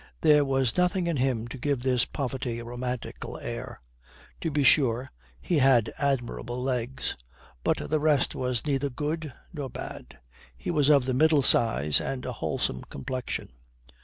There was nothing in him to give this poverty a romantical air. To be sure, he had admirable legs, but the rest was neither good nor bad. He was of the middle size and a wholesome complexion.